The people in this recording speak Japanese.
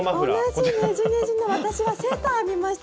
同じねじねじの私はセーター編みました